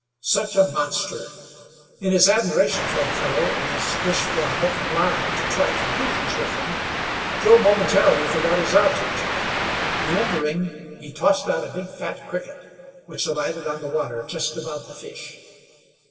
Such a monster! In his admiration for the fellow, and his wish for a hook and line to try conclusions with him, Joe momentarily forgot his object. Remembering, he tossed out a big, fat cricket, which alighted on the water just above the fish.